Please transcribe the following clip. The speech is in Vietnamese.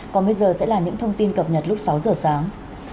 còn bây giờ sẽ là những thông tin cập nhật lúc sáu giờ sáng